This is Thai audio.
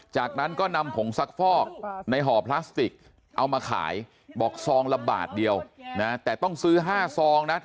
จากนั้นก็นำผงซักฟอกในห่อพลาสติกเอามาขายบอกซองละบาทเดียวนะแต่ต้องซื้อ๕ซองนะ